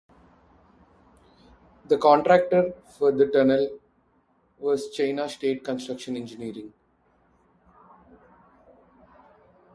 The contractor for the tunnel was China State Construction Engineering.